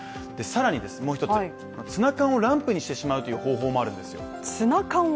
更にもう一つ、ツナ缶をランプにしてしまうという方法もあるんですよ。